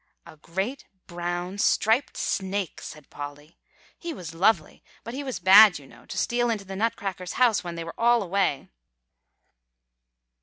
"A great brown, striped snake," said Polly; "he was lovely, but he was bad you know, to steal into the Nutcrackers' house when they were all away."